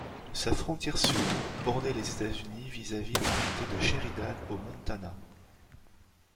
Sa frontière sud border les États-Unis vis-à-vis le comté de Sheridan au Montana.